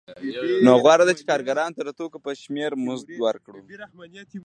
نو غوره ده چې کارګرانو ته د توکو په شمېر مزد ورکړم